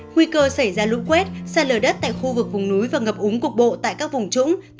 nguy cơ xảy ra lũ quét xa lờ đất tại khu vực vùng núi và ngập úng cục bộ tại các vùng trũng thấp ven sông